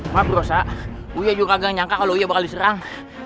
mas berusaha uya juga gak nyangka kalo uya bakal diserang